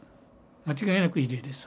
間違いなく異例です